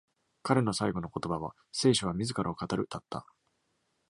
彼の最後の言葉は「聖書は自らを語る」だった。